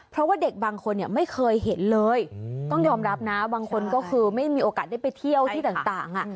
เพราะว่าเด็กบางคนไม่เคยเห็นเลยต้องยอมรับนะบางคนก็คือไม่มีโอกาสได้ไปเที่ยวที่ต่าง